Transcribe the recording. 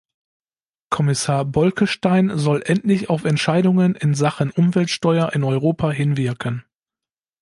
Kommissar Bolkestein soll endlich auf Entscheidungen in Sachen Umweltsteuer in Europa hinwirken.